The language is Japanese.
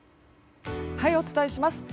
お伝えします。